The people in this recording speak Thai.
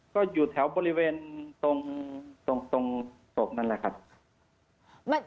ก็อยู่แถวบริเวณตรงศพนั่นแหละครับ